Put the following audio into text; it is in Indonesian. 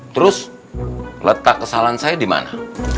terus letak kesalahan saya di mana